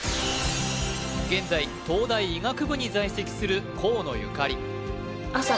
現在東大医学部に在籍する河野ゆかり